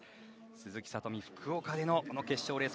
鈴木聡美、福岡での決勝レース